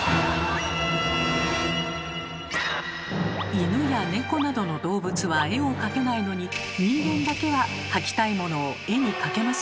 犬やネコなどの動物は絵を描けないのに人間だけは描きたいものを絵に描けますよねえ。